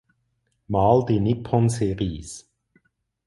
Mal die Nippon Series.